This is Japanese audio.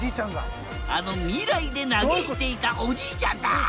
あの未来で嘆いていたおじいちゃんだ。